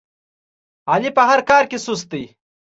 علي په هر کار کې سست دی.